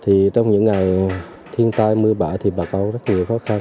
thì trong những ngày thiên tai mưa bão thì bà con rất nhiều khó khăn